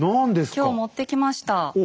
今日持ってきました。